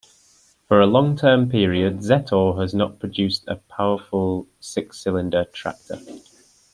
For a long-term period, Zetor has not produced a powerful six-cylinder tractor.